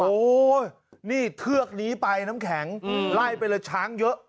โอ้โหนี่เทือกนี้ไปน้ำแข็งไล่ไปเลยช้างเยอะ